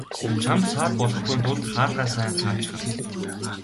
Чамд саад болохгүйн тулд хаалгаа сайн хаачихна.